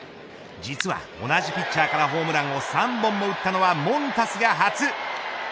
実は同じピッチャーからホームランを３本も打ったのはモンタスが初。